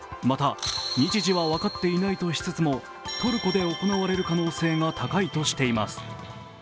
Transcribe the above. また、日時は分かっていないとしつつもトルコで行われる可能性が高いとしています。